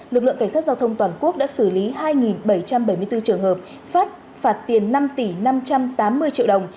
lực lượng cảnh sát giao thông toàn quốc đã xử lý hai bảy trăm bảy mươi bốn trường hợp phát phạt tiền năm tỷ năm trăm tám mươi triệu đồng